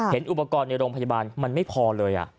เห็นอุปกรณ์ในโรงพยาบาลมันไม่พอเลย